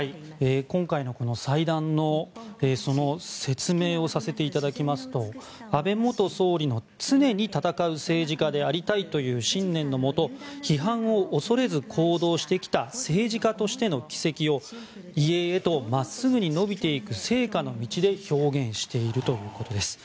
今回の祭壇の説明をさせていただきますと安倍元総理の常に闘う政治家でありたいという信念のもと批判を恐れず行動してきた政治家としての軌跡を遺影へと真っすぐに延びていく生花の道で表現しているということです。